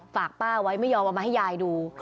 ฝากป้าไว้ไม่ยอมเอามาให้ยายดู